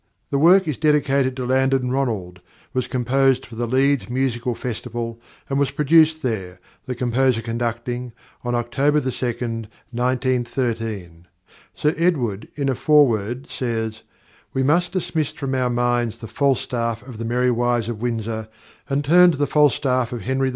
The work is dedicated to Landon Ronald, was composed for the Leeds Musical Festival, and was produced there, the composer conducting, on October 2, 1913. Sir Edward, in a foreword, says: "We must dismiss from our minds the Falstaff of The Merry Wives of Windsor and turn to the Falstaff of _Henry IV.